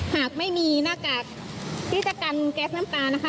หากไม่มีหน้ากากที่จะกันแก๊สน้ำตานะคะ